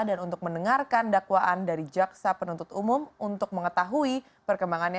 dan untuk mendengarkan dakwaan dari jaksa penuntut umum untuk mengetahui perkembangannya